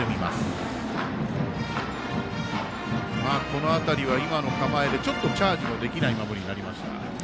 この辺りは、今の構えでちょっとチャージのできない守りになりました。